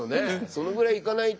そのぐらいいかないと。